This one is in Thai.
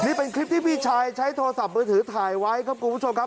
นี่เป็นคลิปที่พี่ชายใช้โทรศัพท์มือถือถ่ายไว้ครับคุณผู้ชมครับ